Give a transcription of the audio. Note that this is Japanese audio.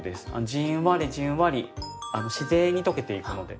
じんわりじんわり自然に溶けていくので。